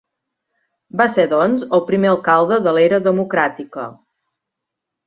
Va ser, doncs, el primer alcalde de l'era democràtica.